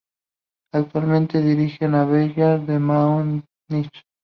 Actualmente dirige al Bayern de Múnich.